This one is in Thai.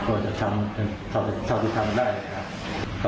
ก็จะทำให้ทำได้นะครับ